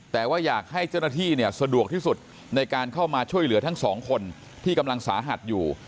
แต่ว่าอยากให้เจ้าหน้าที่เนี่ยสะดวกที่สุดในการเข้ามาช่วยเหลือทั้งสองคนที่กำลังสาหัสอยู่